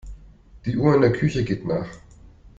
Die Uhr in der Küche geht nach.